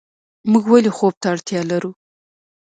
موږ ولې خوب ته اړتیا لرو